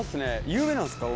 有名なんですか？